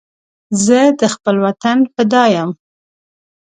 زه د خپل وطن فدا یم